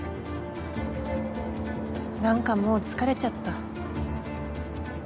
何かもう疲れちゃった。